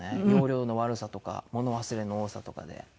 要領の悪さとか物忘れの多さとかで。